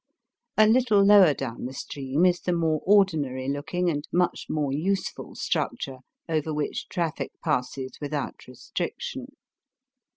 A little lower down the stream is the more ordinary looking and much more useful structure over which traffic passes without restriction.